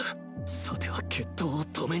さては決闘を止めに